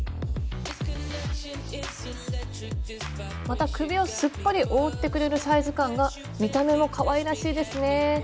また首をすっぽり覆ってくれるサイズ感が見た目もかわいらしいですね。